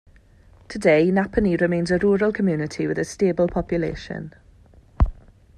Today Naponee remains a rural community with a stable population.